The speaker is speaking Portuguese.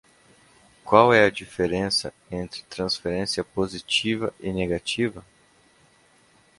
Qual é a diferença entre transferência positiva e negativa?